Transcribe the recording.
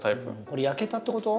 これ焼けたってこと？